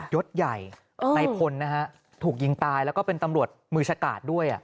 ยศใหญ่ในพลนะฮะถูกยิงตายแล้วก็เป็นตำรวจมือชะกาดด้วย